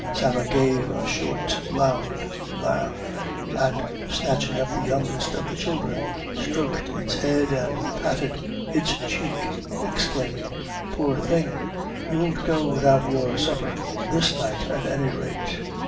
Sarah gave a short, loud laugh, and snatching up the youngest of the children, stroked its head and patted its cheek, exclaiming "Poor thing; you won't go without your supper this night, at any rate."